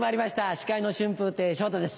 司会の春風亭昇太です。